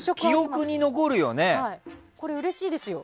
うれしいですよ。